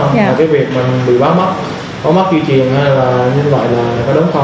mà cái việc mà mình bị bắt mất có mất duy trì hay là như vậy là có đúng không